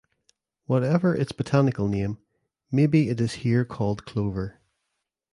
Whatever its botanical name may be it is here called clover.